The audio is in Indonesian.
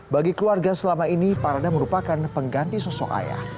bagi keluarga selama ini parada merupakan pengganti sosok ayah